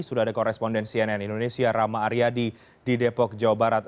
sudah ada koresponden cnn indonesia rama aryadi di depok jawa barat